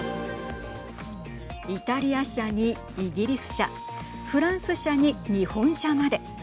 イタリア車にイギリス車フランス車に日本車まで。